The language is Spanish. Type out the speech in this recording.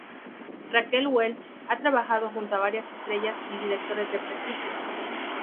Raquel Welch ha trabajado junto a varias estrellas y directores de prestigio.